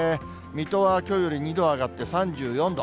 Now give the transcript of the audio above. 水戸はきょうより２度上がって３４度。